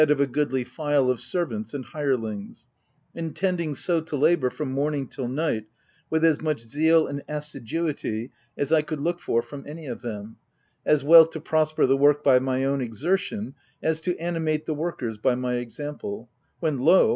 139 of a goodly file of servants and hirelings — intending so to labour, from morning to night, with as much zeal and assiduity as I could look for from any of them, as well to prosper the work by my own exertion as to animate the workers by my example — when, lo